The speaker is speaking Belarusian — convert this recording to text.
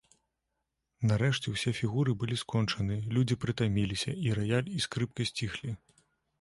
Нарэшце ўсе фігуры былі скончаны, людзі прытаміліся, і раяль і скрыпка сціхлі.